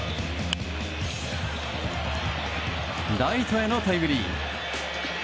ライトへのタイムリー。